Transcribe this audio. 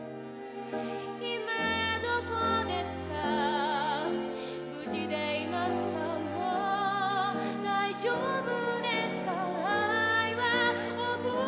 「『今どこですか無事でいますかもう大丈夫ですか愛を覚えましたか』」